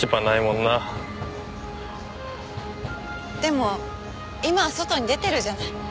でも今は外に出てるじゃない。